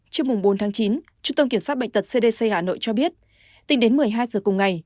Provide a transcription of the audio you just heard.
trước bốn tháng chín trung tâm kiểm soát bệnh tật cdc hà nội cho biết tính đến một mươi hai giờ cùng ngày